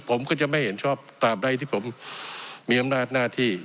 ผมก็จะไม่เห็นชอบตามใดที่ผมมีอำนาจหน้าที่